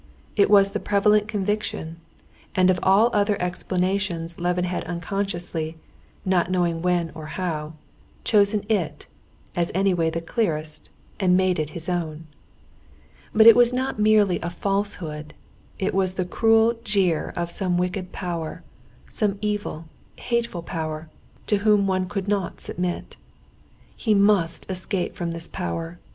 It was the prevalent conviction, and of all other explanations Levin had unconsciously, not knowing when or how, chosen it, as anyway the clearest, and made it his own. But it was not merely a falsehood, it was the cruel jeer of some wicked power, some evil, hateful power, to whom one could not submit. He must escape from this power.